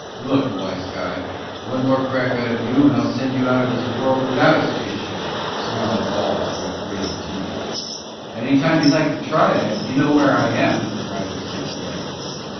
"Look, wise guy, one more crack out of you, and I'll send you out of this world without a spaceship!" snarled Wallace through grating teeth. "Any time you'd like to try that, you know where I am," Roger snapped back.